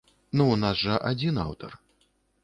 Ну, у нас жа адзін аўтар.